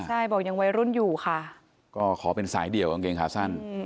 ใช่บอกยังวัยรุ่นอยู่ค่ะก็ขอเป็นสายเดี่ยวกางเกงขาสั้น